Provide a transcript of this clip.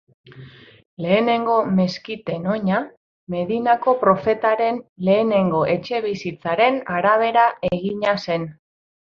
Lehenengo meskiten oina Medinako profetaren lehenengo etxebizitzaren arabera egina zen.